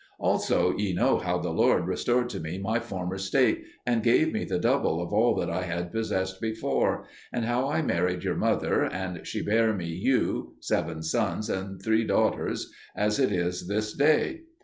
Also ye know how the Lord restored to me my former state, and gave me the double of all that I had possessed before; and how I married your mother, and she bare me you: seven sons and three daughters, as it is this day.